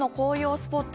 スポット